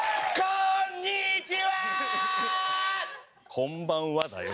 「こんばんは」だよ。